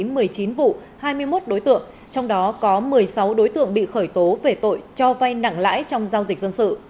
trong một mươi chín vụ hai mươi một đối tượng trong đó có một mươi sáu đối tượng bị khởi tố về tội cho vay nặng lãi trong giao dịch dân sự